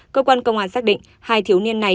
cơ quan công an xác định hai thiếu niên này